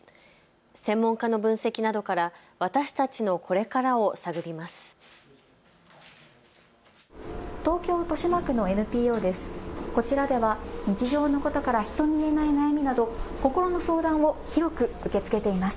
専門家の分析などから私たちのこれからを探ります。